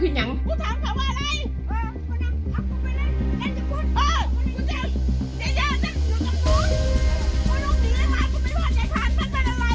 คุณลุกสินะครับคุณไม่รู้ว่าเจมส์มันเป็นอะไร